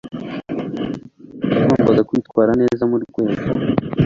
yagombaga kwitwara neza mu rwego